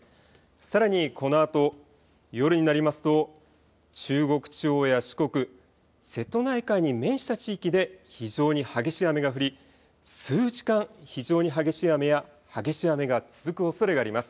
さらにこのあと夜になりますと中国地方や四国、瀬戸内海に面した地域で非常に激しい雨が降り、数時間、非常に激しい雨や激しい雨が続くおそれがあります。